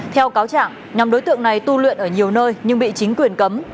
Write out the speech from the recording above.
theo cáo trạng nhóm đối tượng này tu luyện ở nhiều nơi nhưng bị chính quyền cấm